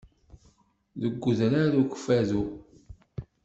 Deg udrar ukffadu.